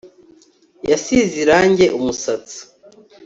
Yasize irangi umusatsi